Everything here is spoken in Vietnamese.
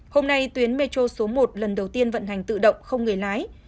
hôm nay tuyến metro số một lần đầu tiên vận hành tự động không người lái